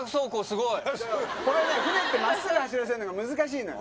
これね、船ってまっすぐ走らせるのが難しいのよ。